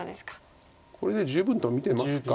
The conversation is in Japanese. これで十分と見てますか。